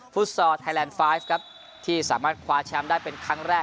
ฟอร์ไทยแลนด์ไฟฟ์ครับที่สามารถคว้าแชมป์ได้เป็นครั้งแรก